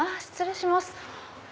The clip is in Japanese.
失礼します。